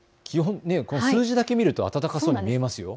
数字だけ見ると暖かそうに見えますよね。